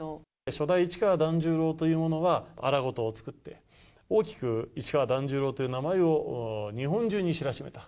初代市川團十郎というのは、荒事を作って、大きく市川團十郎という名前を日本中に知らしめた。